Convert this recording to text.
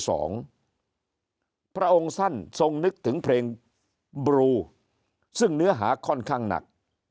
พระองค์ท่านทรงนึกถึงเพลงบลูซึ่งเนื้อหาค่อนข้างหนัก